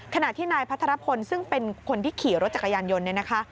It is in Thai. ขณะที่นายพัทรพลซึ่งเป็นคนที่ขี่รถจักรยานยนต์